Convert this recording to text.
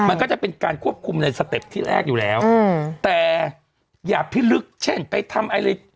มันก็จะเป็นการควบคุมในสเต็ปที่แรกอยู่แล้วอืมแต่อย่าพิลึกเช่นไปทำอะไร